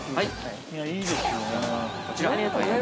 ◆いいでよすね。